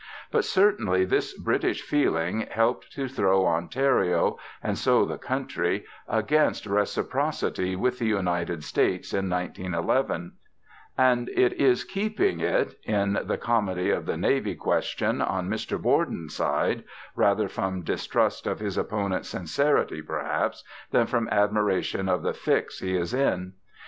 But certainly this British feeling helped to throw Ontario, and so the country, against Reciprocity with the United States in 1911; and it is keeping it, in the comedy of the Navy Question, on Mr Borden's side rather from distrust of his opponents' sincerity, perhaps, than from admiration of the fix he is in.